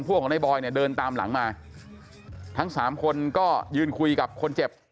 พวกนายบอยเดินตามหลังมาทั้ง๓คนก็ยืนคุยกับคนเจ็บ